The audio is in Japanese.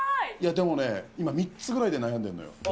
でもね、今３つぐらいで悩んでるのよ。